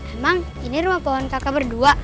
emang ini rumah pohon kakak berdua